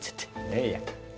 いやいや。